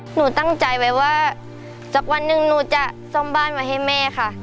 หนูตั้งใจไว้ว่าสักวันหนึ่งหนูจะซ่อมบ้านไว้ให้แม่ค่ะ